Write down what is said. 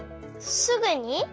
すぐに？